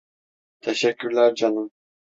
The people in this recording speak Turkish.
Teşekkürler canım.